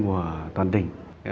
của toàn tỉnh